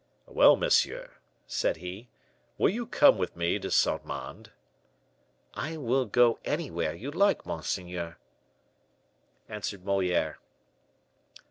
"Well, monsieur," said he, "will you come with me to Saint Mande?" "I will go anywhere you like, monseigneur," answered Moliere.